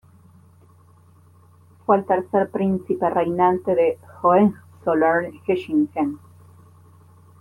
Fue el tercer príncipe reinante de Hohenzollern-Hechingen.